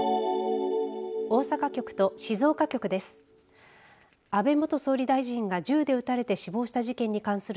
大阪局と静岡局です。